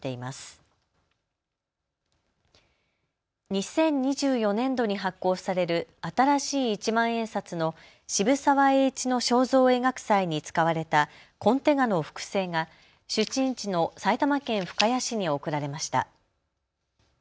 ２０２４年度に発行される新しい一万円札の渋沢栄一の肖像を描く際に使われたコンテ画の複製が出身地の埼玉県深谷市に贈られました。